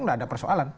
tidak ada persoalan